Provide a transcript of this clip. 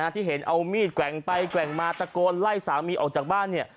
ที่เห็นเอามีดแกว่งไปแกว่งมาตะโกนไล่สามีออกจากบ้านเนี่ย